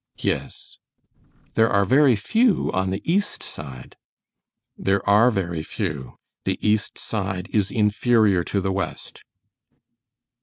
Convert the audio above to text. "Yes." "There are very few on the east side?" "There are very few; the east side is inferior to the west."